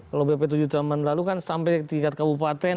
kalau bp tujuh tahun lalu kan sampai tingkat kabupaten